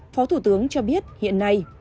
phó thủ tướng cho biết hiện nay